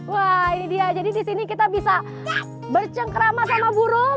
wah ini dia jadi di sini kita bisa bercengkrama sama burung